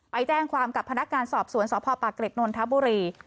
ไปแจ้งความกับพนักงานสอบสวนสพปากเกร็ดนนทบุรี